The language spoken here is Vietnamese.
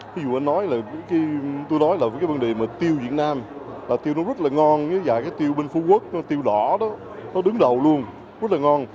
ví dụ tôi nói về tiêu việt nam tiêu nó rất ngon tiêu bên phú quốc tiêu đỏ đó nó đứng đầu luôn rất là ngon